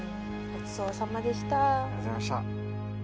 ごちそうさまでした。